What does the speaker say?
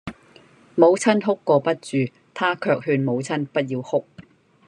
母親哭個不住，他卻勸母親不要哭；